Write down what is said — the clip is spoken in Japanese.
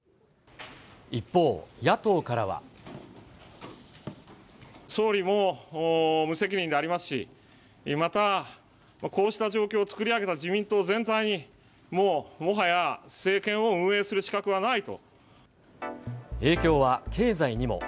一方、野党からは。総理も無責任でありますし、また、こうした状況を作り上げた自民党全体に、もう、もはや政権を運営影響は経済にも。